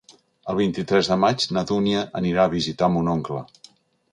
El vint-i-tres de maig na Dúnia anirà a visitar mon oncle.